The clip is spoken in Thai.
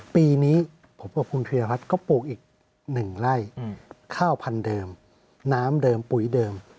ปีนี้ผมบอกคุณผลลัพธ์ก็ปลูกอีกหนึ่งไร่ข้าวพันธุ์เดิมน้ำเดิมปุ๋ยเดิม